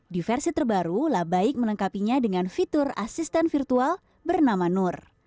di versi terbaru labaik melengkapinya dengan fitur asisten virtual bernama nur